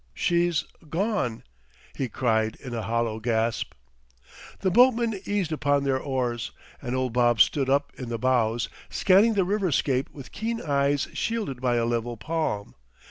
"She's gone!" he cried in a hollow gasp. The boatmen eased upon their oars, and old Bob stood up in the bows, scanning the river scape with keen eyes shielded by a level palm.